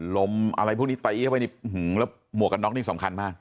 ลมอะไรพวกนี้ต่อยเข้าไปนี่แล้วหมวกกันน็อกนี่สำคัญมาก